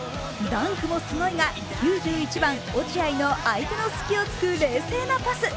ダンクもすごいが９１番・落合の相手の隙を突く冷静なパス。